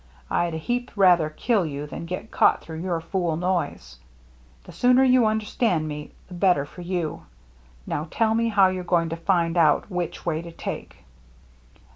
I'd a heap rather kill you than get caught through your fool noise. The sooner you understand me, the better for you. Now tell me how you're going to find out which way to take."